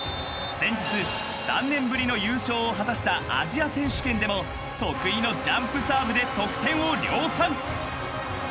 ［先日３年ぶりの優勝を果たしたアジア選手権でも得意のジャンプサーブで得点を量産］